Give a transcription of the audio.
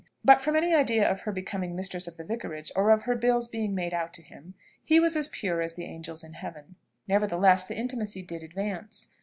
But from any idea of her becoming mistress of the Vicarage, or of her bills being made out to him, he was as pure as the angels in heaven. Nevertheless, the intimacy did advance.